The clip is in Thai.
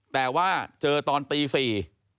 แต่ว่าเจอตอนตีสี่